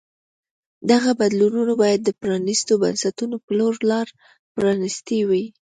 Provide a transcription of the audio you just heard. دغو بدلونونو باید د پرانیستو بنسټونو په لور لار پرانیستې وای.